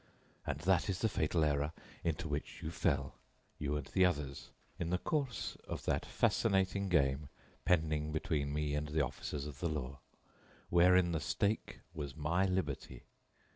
And that is the fatal error into which you fell, you and the others, in the course of that fascinating game pending between me and the officers of the law wherein the stake was my liberty.